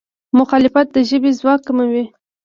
مخالفت د ژبې ځواک کموي.